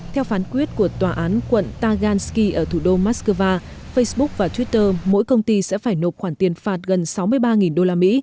theo phán quyết của tòa án quận tagansky ở thủ đô moscow facebook và twitter mỗi công ty sẽ phải nộp khoản tiền phạt gần sáu mươi ba usd